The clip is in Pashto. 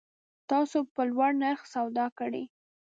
تاسو په لوړ نرخ سودا کړی